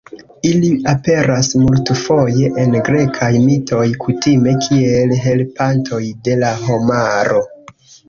Ili aperas multfoje en grekaj mitoj, kutime kiel helpantoj de la homaro.